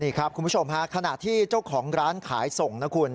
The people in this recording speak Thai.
นี่ครับคุณผู้ชมฮะขณะที่เจ้าของร้านขายส่งนะคุณ